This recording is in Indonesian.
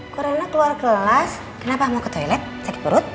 kok rena keluar kelas kenapa mau ke toilet sakit perut